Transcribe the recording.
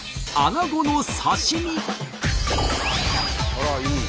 あらいい！